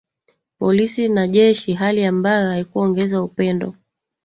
polisi na jeshi hali ambayo haikuongeza upendo